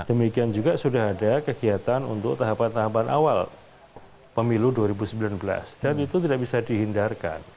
demikian juga sudah ada kegiatan untuk tahapan tahapan awal pemilu dua ribu sembilan belas dan itu tidak bisa dihindarkan